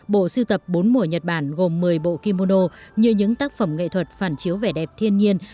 bộ siêu tập bốn mùa nhật bản gồm một mươi bộ kimono như những tác phẩm nghệ thuật phản chiếu vẻ đẹp thiên nhiên